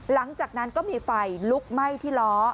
หลังจากนั้นก็มีไฟลุกไหม้ที่ล้อ